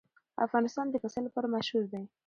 افغانستان د پسه لپاره مشهور دی.